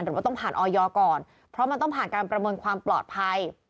หรือว่าต้องผ่านออยก่อนเพราะมันต้องผ่านการประเมินความปลอดภัย